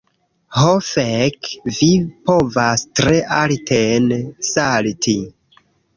Ho fek', vi povas tre alten salti.